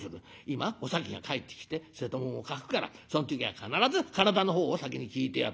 「今お崎が帰ってきて瀬戸物を欠くからその時は必ず体の方を先に聞いてやってくれ」。